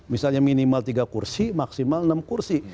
misalnya minimal tiga kursi maksimal enam kursi